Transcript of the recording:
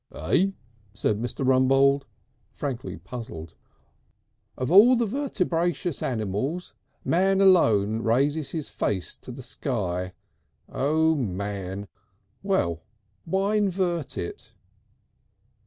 "Eh?" said Mr. Rumbold, frankly puzzled. "Of all the vertebracious animals man alone raises his face to the sky, O' Man. Well, why invert it?"